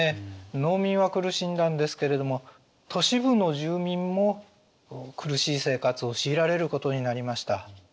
農民は苦しんだんですけれども都市部の住民も苦しい生活を強いられることになりました。